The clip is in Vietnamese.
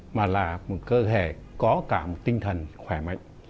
mà là một cơ thể có cả một tinh thần khỏe mạnh